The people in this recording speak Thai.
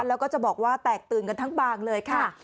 แล้วก็จะบอกว่าแตกตื่นกันทั้งบางเลยค่ะ